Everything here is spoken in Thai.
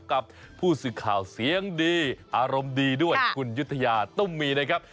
กับผู้สื่อข่าวเสียงดีอารมณ์ดีด้วยคุณยุธยาตุ้มมีนะครับ